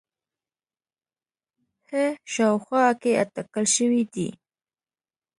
ه شاوخوا کې اټکل شوی دی